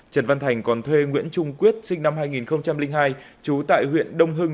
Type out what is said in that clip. trần văn thành còn thuê nguyễn trung quyết sinh năm hai nghìn hai trú tại huyện đông hưng